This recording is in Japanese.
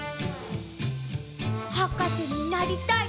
はかせになりたい